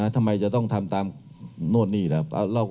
ทำไมจะต้องทำตามโน่นนี่แหละ